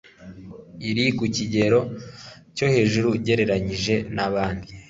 iri ku kigero cyo hejuru ugereranyije na bandi